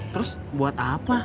terus buat apa